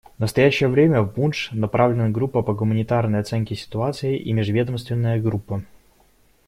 В настоящее время в Бундж направлены группа по гуманитарной оценке ситуации и межведомственная группа.